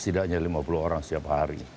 setidaknya lima puluh orang setiap hari